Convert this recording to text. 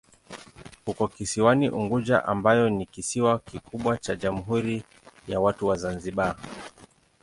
Uko kisiwani Unguja ambayo ni kisiwa kikubwa cha Jamhuri ya Watu wa Zanzibar.